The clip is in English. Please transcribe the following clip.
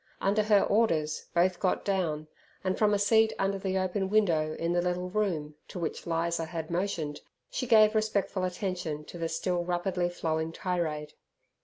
Under her orders both got down, and from a seat under the open window in the little room to which Lizer had motioned, she gave respectful attention to the still rapidly flowing tirade.